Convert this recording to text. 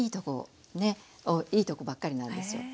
いいとこばっかりなんですよ。